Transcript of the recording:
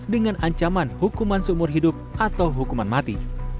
dengan ancaman hukuman seumur hidup atau hukuman mati